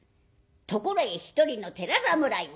ところへ一人の寺侍が。